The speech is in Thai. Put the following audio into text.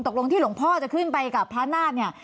ตกลงที่หลวงพ่อจะขึ้นไปกับพระนาฏเนี่ย